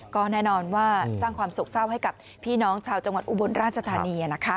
ก็แน่นอนว่าสร้างความโศกเศร้าให้กับพี่น้องชาวจังหวัดอุบลราชธานี